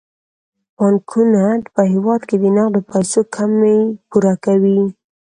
بانکونه په هیواد کې د نغدو پيسو کمی پوره کوي.